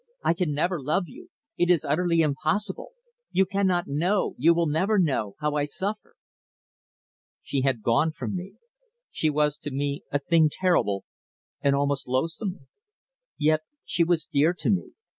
I can never love you. It is utterly impossible. You cannot know you will never know how I suffer." She had gone from me. She was to me a thing terrible, and almost loathsome. Yet she was dear to me.